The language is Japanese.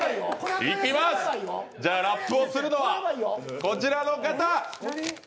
いきます、じゃ、ラップをするのはこちらの方。